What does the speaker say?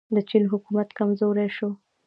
د چین حکومت کمزوری شو.